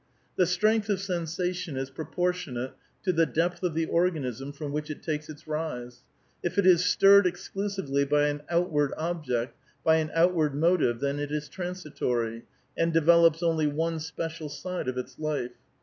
"The strength of sensation is proportionate to the depth of the organism from which it takes its rise. If it is stirred exclusively by an outward object, by an outward motive, then it is transitory, and develops only one special side of its life.